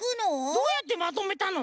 どうやってまとめたの？